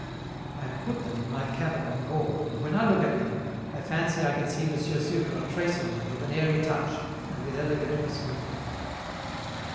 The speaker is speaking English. I have put them in my cabin on board, and when I look at them, I fancy I can see M. Sucre tracing them with an airy touch and with elegant facility.